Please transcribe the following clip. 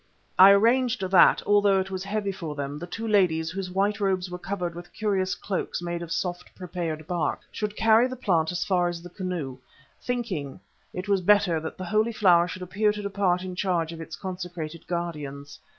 I arranged that, although it was heavy for them, the two ladies, whose white robes were covered with curious cloaks made of soft prepared bark, should carry the plant as far as the canoe, thinking it was better that the Holy Flower should appear to depart in charge of its consecrated guardians.